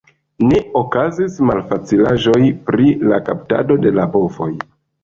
Ne okazis malfacilaĵoj pri la kaptado de la bovoj.